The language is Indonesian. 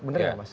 bener nggak mas